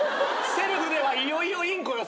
セルフではいよいよインコよそれは。